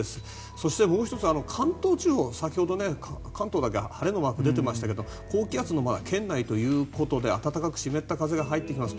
そして、もう１つ関東地方先ほど関東だけ晴れのマークが出ていましたが高気圧の圏内ということで暖かく湿った風が入ってきます。